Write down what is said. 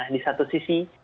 di satu sisi